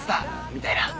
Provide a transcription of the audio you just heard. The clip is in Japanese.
みたいな。